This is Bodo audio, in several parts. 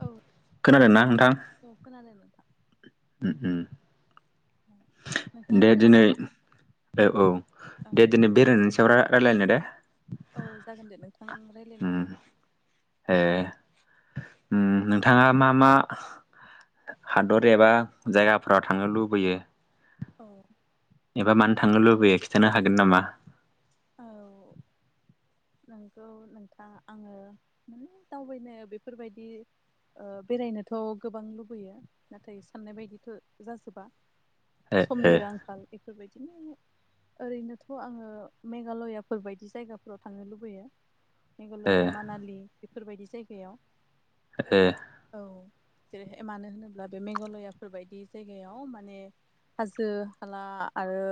औ खोनादों ना नोंथां औ खोनादों नोंथां उम औ नोंथाङाबो दे खोनादों दिनै ना? औ औ औ दे दिनै बेरायनायनि सायाव रायलायनो दे औ जागोन दे नोंथां रायज्लायनो उम हागोन ए नोंथाङा मा मा हादर एबा जायगाफोराव थांनो लुबैयो औ एबा मानो थांनो लुबैयो खिन्थानो हागोन नामा औ नोंगौ नोंथां आङो माने दावबायनो बेफोरबायदि बेरायनोथ' गोबां लुबैयो नाथाय साननाय बायदिथ' जाजोबा ओ ओ समनिबो आंखाल बेफोरबायदिनो ओरैनोथ' आङो मेघालयाफोरबायदि जायगाफ्राव थांनो लुबैयो ओ मेघालया मानालि बेफोरबायदि जायगायाव ए औ जेरैहाय मानो होनोब्ला बे मेघालयाफोरबायायदि जायगायाव माने हाजो हाला आरो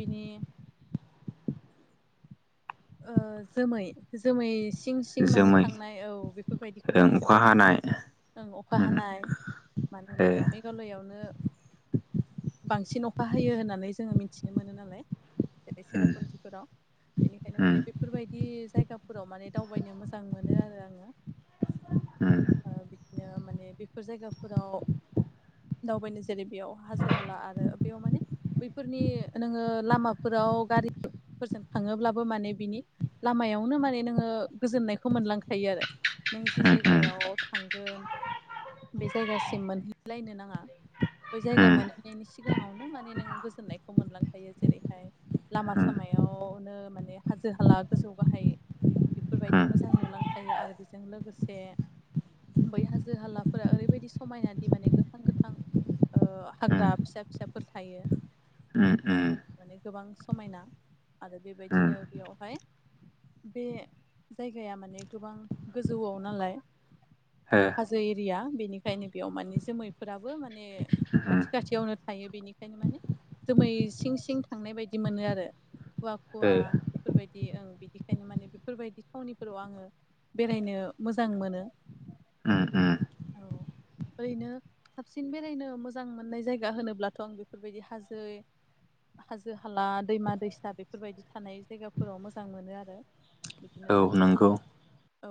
बिनि जोमै जोमै सिं सिं माने जोमै थांनाय औ बेफोरबायदिखौ ओं माने अखा जोबोद मोजां हानाय ओ अखा उम हानाय मानो ओ होनब्ला बे गलयावनो बांसिन अखा हयो होननानै जोङो मिथिनो मोनो नालाय जेरै सेरापन्जिफोराव बेनिखायनो उम माने बेफोरबायदि जायगाफोराव माने दावबायनो मोजां मोनो आरो आङो उम बिदिनो माने बेफोर जायगाफोराव दावबायनो जेरै बेयाव हाजो हाला आरो बेयाव माने बैफोरनि नोङो लामाफोराव गारिफोरजों थाङोब्लाबो माने बिनि लामायावनो माने नोङो गोजोननायखौ मोनलांखायो आरो नों जि उम जायगायाव थांगोन बे जायगासिम मोनहैलायनो नाङा बै जायगा उम मोनहैनायनि सिगाङावनो माने नों गोजोननायखौ मोनलांखायो जेरैहाय लामा उम सामायावनो माने हाजो हाला गोजौ गाहाय बेफोरबायदि उम मोजां नुलांफायो आरो बेजों लोगोसे बै हाजो हालाफोरा ओरैबायदि समायनादि माने गोथां गोथां उम हाग्रा फिसा फिसाफोर थायो उम उम माने गोबां समायना आरो बेबायदिनो बेयावहाय बे जायगाया माने गोबां गोजौआव नालाय हो [unintelligible] हाजो एरिया बेनिखायनो बेयाव माने जोमैफोराबो माने उम खाथि खाथियावनो थायो बेनिखायनो माने जोमै सिं सिं थांनाय बायदि मोनो आरो खुवा ओ खुवा बेफोरबायदि ओं बिदिखायनो माने बेफोरबायदि थावनिफोराव आङो बेरायनो मोजां मोनो औ ओ औ ओरैनो साबसिन बेरायनो मोजां मोननाय जायगा होनोब्लाथ' आं बेफोरबायदि हाजो हाजो हाला दैमा दैसा बे फोरबायदि थानाय जायगाफोराव मोजां मोनो आरो बिदिनो औ जोंहा नंगौ औ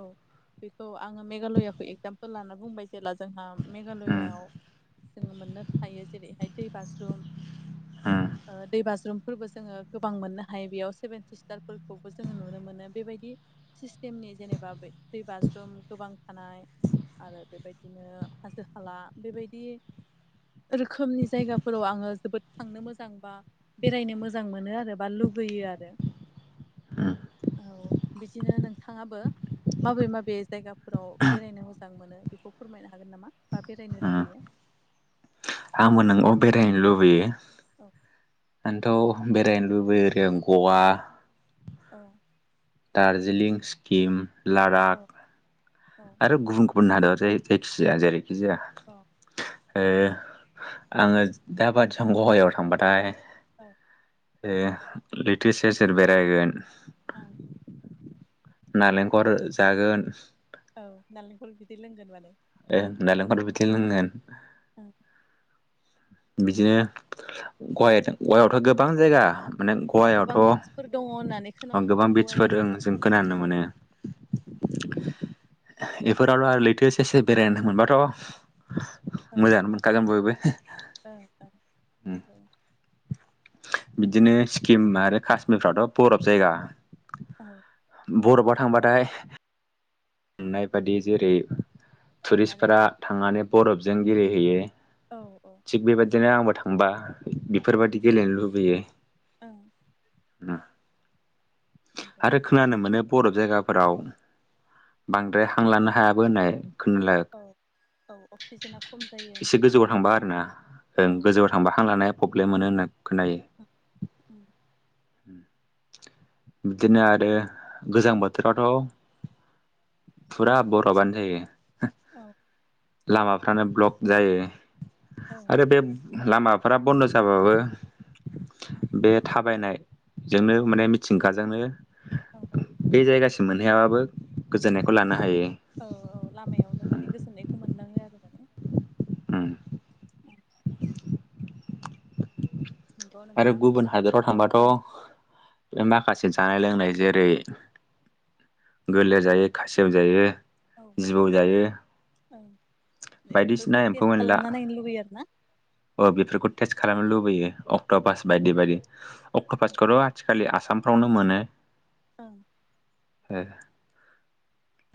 बेखौ आङो मेघालयाखौ एगजामपोल ला बुंबाय जेला जोंहा उम मेघालयाआव जोङो मोननो हायो जेरैहाय दै बाज्रुम उम दै बाज्रुमफोरबो जोङो गोबां मोननो हायो हायो बेयाव सेभेन सिस्टारफोरखौबो जोङो नुनो मोनो बेबायदि सिस्टेमनि जेनेबा दै बाज्रुम गोबां थानाय आरो बेबायदिनो हाजो हाला बेबायदि रोखोमनि जायगाफोराव आङो जोबोद थांनो मोजां बा बेरायनो मोजां मोनो आरो बा लुगैयो आरो उम औ बिदिनो नोंथाङाबो माबे माबे जायगाफोराव बेरायनो मोजां मोनो बेखौ फोरमायनो हागोन नामा बा बेरायनो उम लुबैयो आंबो नंगौ बेरायनो लुबैयो औ आंथ' बेरायनो लुबैयो ओरै गवा औ दारजिलिं सिक्किम औ लदाख औ आरो गुबुन गुबुन हादराव जाय जायखिजाया जेरैखि जाया अ ओ आङो दाबादि गवायाव थांबाथाय औ लैथो सेर सेर बेरायगोन औ नालेंखर जागोन औ नालेंखल बिदिर लोंगोन माने ओं नालेंखर बिदै लोंगोन औ बिदिनो गवा गवायावथ' गोबां जायगा गोबां बिदिफोर दङ होननानै खोनानो ओं गोबां मोनदों बिदसफोर गवायाव जों खोनानो औ मोनो बेफोरावल' आरो लैथो सेर सेर बेरायनो मोनबाथ' मोजांङानो मोनखागोन बयबो ओ ओं उम नंगौ बिदिनो सिक्किम आरो काश्मिरफ्रावथ' बरफ जायगा औ बर'फआव थांबाथाय मोननाय बादि जेरै औ माने टुरिस्टफोरा थांनानै बरफजों गेलेहैयो औ औ थिग बेबायदिनो आंबो थांबा बेफोरबायदि गेलेनो लुबैयो उम उम आरो [unintelligible] खोनानो मोनो बरफ जायगाफोराव बांद्राय हांलानो हायाबो होननाय खोनालाय औ औ अक्सिजेना खम जायो एसे गोजौआव थांबा आरोना औ ओं गोजौ थांबा हां लानाया प्रब्लेम मोनो होनना खोनायो उम उम बिदिनो आरो गोजां बोथोरावथ' फुरा बरफानो जायो औ लामाफ्रानो ब्लक जायो औ आरो बे लामाफ्रा बन्द' जाबाबो बे थाबायनायजोंनो माने मिथिंगाजोंनो औ बै जायगासिम मोनहैायाबाबो गोजोननायखौ लानो हायो औ औ लामायावनो माने गोजोननायखौ मोनलाङो आरो माने उम [inaudible] नंगौ आरो नोंथां गुबुन हादोराव थांबाथ' औ माखासे जानाय लोंनाय जेरै गोलेर जायो खासेव जायो औ जिबौ जायो बायदिसिना बेफोरखौ एम्फौ तेस्त एनला खालामना नायनो लुबैयो आरो ना अ बेफोरखौ टेस्ट खालामनो लुबैयो अक्ट' पास बायदि बायदि अक्ट' पासखौथ' आथिखालि आसामफ्रावनो मोनो ओं ओ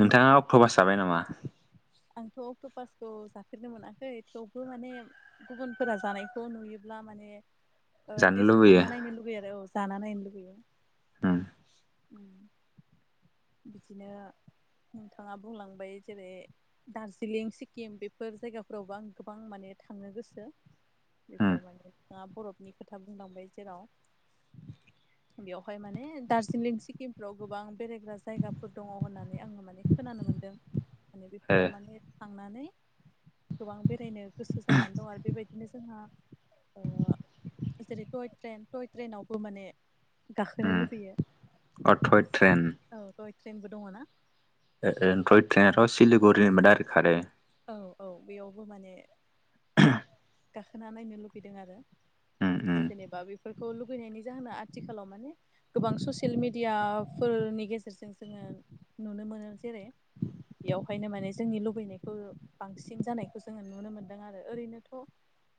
नोंथाङा अक्ट'फास जाबाय नामा आंथ' अक्ट' पासखौ जाफेरनो मोनाखै थेवबो माने गुबुनफोरा जानायखौ नुयोब्ला माने जानो टेस्ट लुबैयो खालामना नायनो लुगैयो आरो औ जाना नायनो लुगैयो उम उम बिदिनो नोंथाङा बुंलांबाय जेरै दार्जिलिं सिक्किम बेफोर जायगाफोरावबो आं गोबां माने थांनो गोसो उम बेफोर माने [unintelligible] बरफनि खोथा बुंलांबाय जेराव बेवहाय माने दार्जिलिं सिक्किमफ्राव गोबां बेरायग्रा जायगाफोर दङ होननानै आङो माने खोनानो मोनदों माने ओ बेफोराव माने थांनानै गोबां बेरायनो गोसो जानानै दं आरो बेबायदिनो जोंहा ओ जेरै टय ट्रेन टय ट्रेनावबो माने गाखोनो लुबैयो अ थ‌इ ट्रेन औ टइ ट्रेनबो दङ ना ओ ओ टय औ ट्रेनाथ' सिलिगुरिनिफ्राय डाइरेक खारो औ औ बेयावबो माने [inaudible] गाखोना नायनो लुबैदों आरो उम उम जेनेबा बे बेफोरखौ लुगैनायनि जाहोना आथिखालाव माने गोबां ससियेल मेडियाफोरनि गेजेरजों जोङो नुनो मोनो जेरै बेयावहायनो माने जोंनि लुबैनायखौ बांसिन जानायखौ जोङो नुनो मोनदों आरो ओरैनोथ'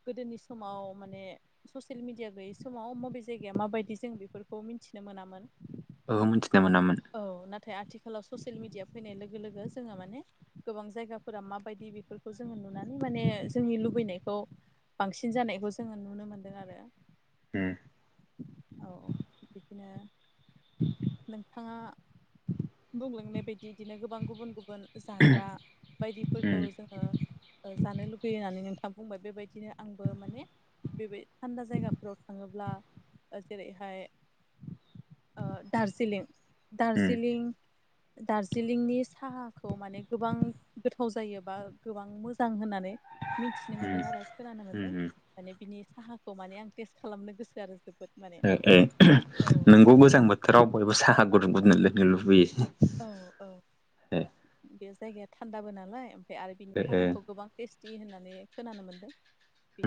गोदोनि समाव माने ससियेल मिडिया गैयै समाव मबे जायगाया माबायदि जों बेफोरखौ मिन्थिनो मोनामोन ओहो मोनथिना मोनामोन औ नाथाय आथिखालाव ससियेल मिडिया फैनाय लोगो लोगो जोङो माने गोबां जायगाफोरा माबायदि बेफोरखौ जोङो नुनानै माने जोंनि लुबैनायखौ बांसिन जानायखौ जोङो नुनो मोनदों आरो उम औ बिदिनो [inaudible] बिथाङा बुंलांनाय बायदि इदिनो गोबां गुबुन गुबुन जाग्रा बायदिफोरखौ उम जोङो जानो लुगैयो होननानै नोंथाङा बुंबाय बेबायदिनो आंबो माने बेबाय थान्दा जायगाफोराव थाङोब्ला जेरैहाय ओ दार्जिलिं उम दार्जिलिं दार्जिलिंनि साहाखौ माने गोबां गोथाव जायो बा गोबां मोजां होननानै मिथिनो मोनदों आरो खोनानो उम मोन्दों उम माने बिनि साहाखौ माने आं टेस्ट खालामनो गोसो आरो जोब ओ ओ नोंगौ गोजां बोथोराव बयबो साहा गुदुं गुदुं लोंनो लुबैयो औ औ ओ बे जायगाया थान्दाबो नालाय ओमफ्राय आरो बिनि ओ साहाखौ गोबां टेस्टि होननानै खोनानो मोन्दों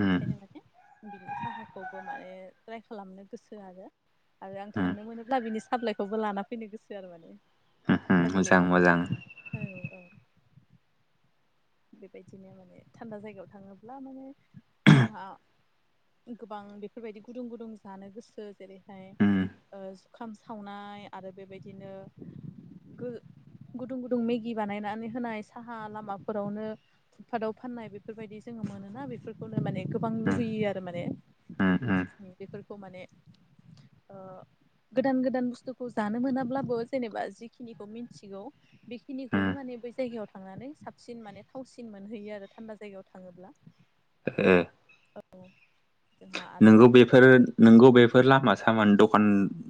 उम माने बिनि साहाखौबो माने ट्राइ खालामनो गोसो आरो आरो आं उम थांनो मोनोब्ला बिनि साफ्लाइखौबो लाना फैनो गोसो आरो माने उम सा मोजां बिलाइखौबो मोजां औ औ बेबायदिनो माने थान्दा जायगायाव थाङोब्ला माने जोंहा गोबां बेफोरबायदि गुदुं गुदुं जानो गोसो जेरै उम ओमफ्राय जुखाम सावनाय आरो बेबायदिनो गुदुं गुदुं मेगि बानायनानै होनाय साहा लामाफोरावनो फुट पाटाव फाननाय बे बेफोरबायदि जोङो मोनोना बेफोरखौनो माने गोबां उम लुगैयो आरो माने उम उम बेफोरखौ माने ओ गोदान गोदान बुस्थुखौ जानो मोनाब्लाबो जेनेबा जिखिनिखौ मिथिगौ उम बेखिनिखौनो माने बै जायगायाव थांनानै साबसिन माने थावसिन मोनहैयो आरो थान्दा जायगायाव थाङोब्ला ओ औ नोंगौ बे फोर नोंगौ बेफोर लामा सामानि दकान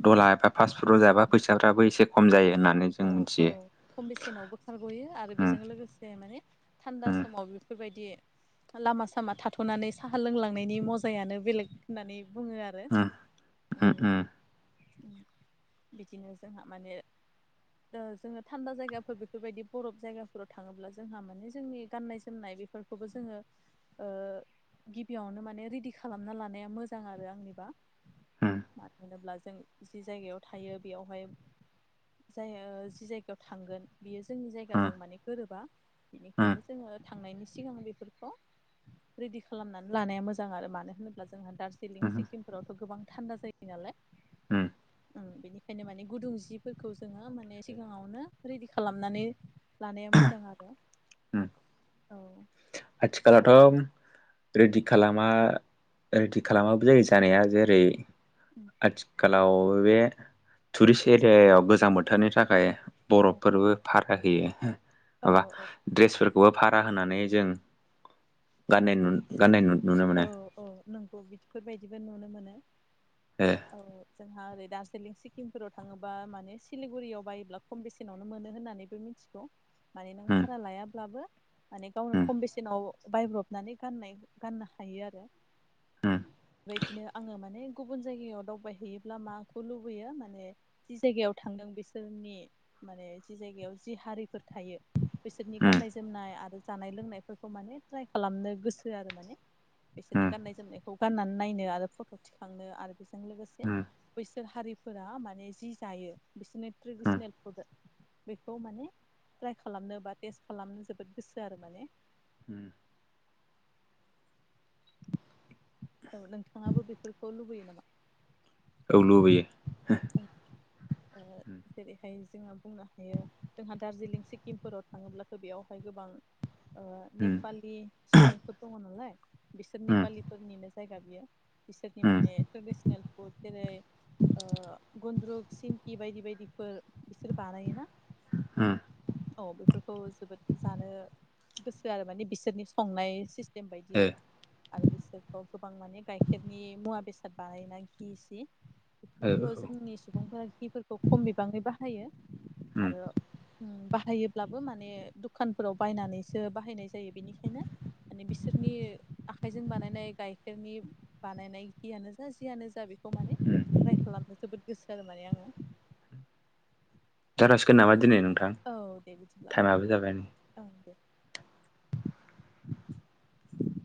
दला एबा फास फुट जाबा फैसाफ्राबो एसे खम जायो होननानै जों औ औ मिथियो खम बेसेनावबो खारग'यो आरो उम बेजों लोगोसे माने थान्दा उम समाव बेफोरबायदि लामा सामा थाथ'नानै साहा लोंलांनायनि मजायानो बेलेग होननानै बुङो आरो नो उम उम बिदिनो जोंहा माने ओ जोङो थान्दा जायगाफोर बेफोरबायदि बरफ जायगाफोराव थाङोब्ला जोंहा माने जोंनि गाननाय जोमनाय बेफोर खौबो जोङो गिबियावनो माने रेडि खालामना लानाया मोजां आरो आंनिबा मानो होनोब्ला जों जि जायगायाव थायो बेयावहाय जाय जि जायगायाव थांगोन बियो जोंनि उम जायगाजों माने गोरोबा उम बेनिखायनो जोङो थांनायनि सिगां बेफोरखौ रेडि खालामनानै लानाया मोजां आरो मानो होनोब्ला जोंहा दार्जिलिं उम सिक्किमफोरावथ' गोबां थान्दा जायो नालाय उम ओं बेनिखायनो माने गुदुं जिफोर फोरखौ जोङो माने सिगाङावनो रेडि खालामनानै लानाया मोजां आरो उम औ आथिखालाथ' रेदि खालामा रेडि खालामाबो जायो जानाया जेरै आथिखालाव बे टुरिस्ट एरियाव गोजां बोथोरनि थाखाय औ बरफफोरबो भारा होयो माबा औ द्रेसफोरखौबो भारा होनानै जों गाननाय गाननाय नुनो औ मोनो औ नोंगौ बिफोरबायदिबो नुनो मोनो ओ औ जोंहा ओरै दार्जिलिं सिक्किमफोराव थाङोबा माने सिलिगुरियाव बायोब्ला खम बेसेनावनो मोनो होन्नानैबो मिथि मिथिगौ' माने नों उम भारा लायाब्लाबो माने गावनो उम खम बेसेनाव बायब्रबनानै गाननाय गाननो हायो आरो उम बेबायदिनो आङो माने गुबुन जायगायाव दावबायहैयोब्ला माखौ लुबैयो माने जि जायगायाव थांदों बिसोरनि माने जि जायगायाव जि हारिफोर थायो बिसोरनि उम गाननाय जोमनाय आरो जानाय लोंनायफोरखौ माने ट्राइ खालामनो गोसो आरो माने उम बिसोरनि गाननाय जोमनायखौ गाननानै नायनो आरो फट' थिखांनो आरो बेजों लोगोसे उम बैसोर हारिफोरा माने जि जायो बिसोरनि ट्रेडिसनेल फुड बेखौ माने ट्राइ खालामनो बा टेस्ट खालामनो जोबोद गोसो आरो माने उम औ नोंथाङाबो बेफोरखौ लुबैयो नामा औ लुबैयो उम ओ उम जेरैहाय जोंङो बुंनो हायो जोंहा दार्जिलिं सिक्किमफोराव थाङोब्लाथ बेयावहाय गोबां ओ नेपालि सुबुंफोर दङ नालाय बिसोर उम नेपालिफोरनिनो जायगा बियो बिसोरनि उम माने ट्रेडिसनेल फुड जेरै ओ गुन्द्रुक सिंखि बायदि बायदिफोर बिसोर बानायोना उम औ बेफोरखौ जोबोद जानो गोसो आरो माने बिसोरनि संनाय सिस्टेम ए बायदियै आरो बिसोरखौ गोबां माने गाइखेरनि मुवा बेसाद बानायना घि सि औ बेफोरखौथ' औ जोंनि सुबुंफोरा घिफोरखौ खम बिबाङै बाहायो उम आरो बाहायोब्लाबो माने दुखानफोराव बायनानैसो बाहायनाय जायो बेनिखायनो माने बिसोरनि आखाइजों बानायनाय गाइखेरनि बानायनायखियानो जा जियानो जा बेखौ माने उम ट्राइ खालामनो जोबोद गोसो आरो माने आङो जाखासिगोन नामा दिनै नोंथां औ दे बिदिब्ला टाइमाबो नोंथां जाबाय नै औ दे उम